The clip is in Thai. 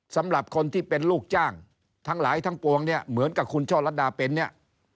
สำหรับคนที่เป็นลูกจ้างทั้งหลายทั้งปวงเนี่ยเหมือนกับคุณช่อลัดดาเป็นเนี่ย